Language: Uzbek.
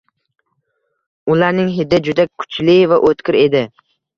Ularning hidi juda kuchli va o‘tkir edi